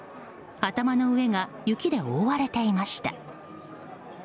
頭の上が雪で覆われていました。